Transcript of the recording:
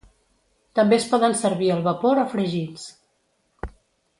També es poden servir al vapor o fregits.